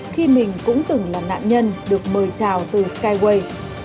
khi mình cũng từng là nạn nhân được mời chào từ skywei